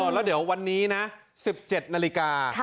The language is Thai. แล้วเดี๋ยววันนี้นะ๑๗นาฬิกา